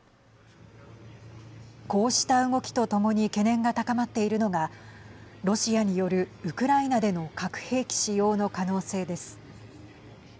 こうした動きとともに懸念が高まっているのがロシアによるウクライナでの核兵器使用の可能性です。